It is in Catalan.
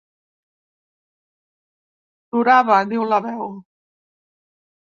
Surava, diu la veu.